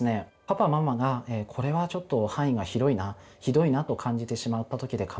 パパママが「これはちょっと範囲が広いな」「ひどいな」と感じてしまったときでかまいません。